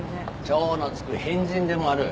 超のつく変人でもある。